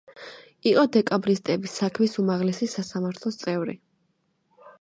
იყო დეკაბრისტების საქმის უმაღლესი სასამართლოს წევრი.